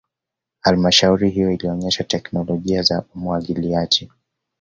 halmashauri hiyo ilionesha teknolojia za umwagiliaji